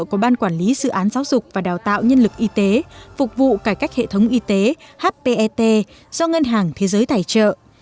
của ban quản lý dự án giáo dục và đào tạo nhân lực y tế phục vụ cải cách hệ thống y tế hpet do ngân hàng thế giới tài trợ